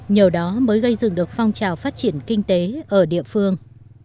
nhờ đó mới gây dựng được phong trào phát triển kinh tế ở địa phương